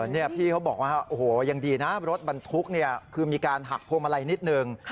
นี่พี่เขาบอกว่าอย่างดีนะรถบรรทุกคือมีการหักพวงมาลัยนิดหนึ่ง